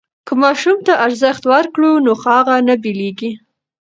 که ماشوم ته ارزښت ورکړو نو هغه نه بېلېږي.